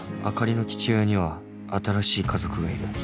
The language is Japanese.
「あかりの父親には新しい家族がいる」